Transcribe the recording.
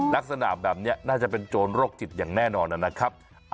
ลักษณะแบบนี้น่าจะเป็นโจรโรคจิตอย่างแน่นอนนะครับ